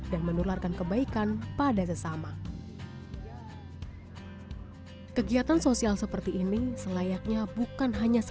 dan menularkan kebaikan pada sesama